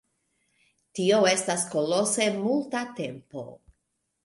Tio estas kolose multa tempo.